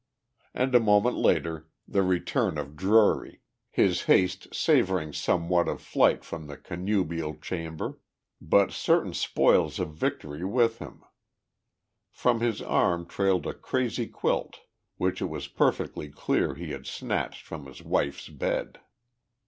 And a moment later the return of Drury, his haste savouring somewhat of flight from the connubial chamber, but certain spoils of victory with him; from his arm trailed a crazy quilt which it was perfectly clear he had snatched from his wife's bed.